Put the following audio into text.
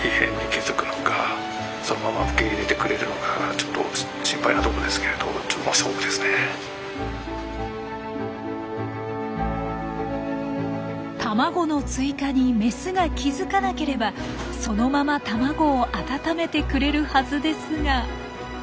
ちょっと心配なとこですけれど卵の追加にメスが気付かなければそのまま卵を温めてくれるはずですが。